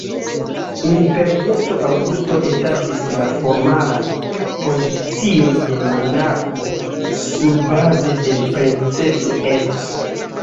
Imperiestro Aŭgusto establis la formalan pozicion de monarko surbaze de "princeps"-eco.